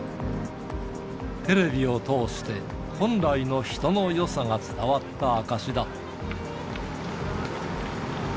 テレビを通して、本来の人のよさが伝わった証しだ。